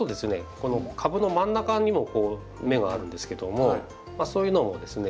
この株の真ん中にも芽があるんですけどもそういうのもですね